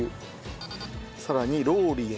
さらにローリエ。